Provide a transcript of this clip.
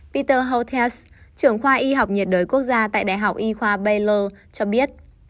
peter holtes trưởng khoa y học nhiệt đới quốc gia tại đại học y khoa baylor cho biết